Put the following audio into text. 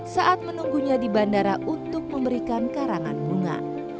saat menunggunya di bandara untuk memberikan karangan bunga